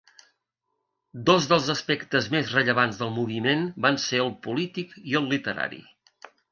Dos dels aspectes més rellevants del moviment van ser el polític i el literari.